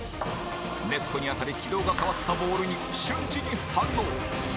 ネットに当たり軌道が変わったボールに瞬時に反応